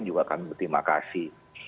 juga kami berterima kasih